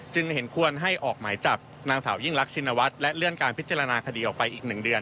เห็นควรให้ออกหมายจับนางสาวยิ่งรักชินวัฒน์และเลื่อนการพิจารณาคดีออกไปอีก๑เดือน